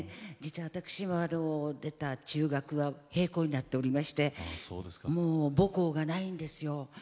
実は私が出た中学は閉校になっておりましてもう母校がないんですよ。